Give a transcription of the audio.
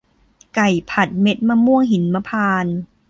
ไก่ผัดเม็ดมะม่วงหิมพานต์